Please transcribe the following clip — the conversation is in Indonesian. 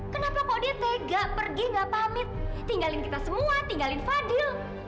kenapa kok dia tega pergi gak pamit tinggalin kita semua tinggalin fadil